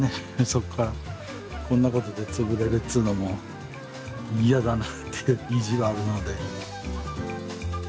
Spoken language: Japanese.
そこからこんなことで潰れるっつうのも嫌だなっていう意地があるので。